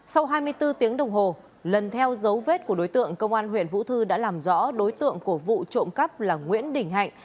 sau hai mươi bốn tiếng đồng hồ lần theo dấu vết của đối tượng công an huyện vũ thư đã làm rõ đối tượng của vụ trộm cắp là nguyễn đình hạnh